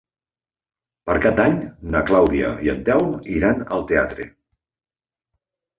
Per Cap d'Any na Clàudia i en Telm iran al teatre.